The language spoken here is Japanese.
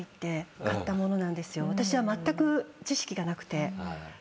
私はまったく知識がなくて。